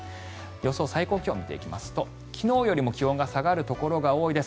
予想最高気温を見ていきますと昨日より気温が下がるところが多いです。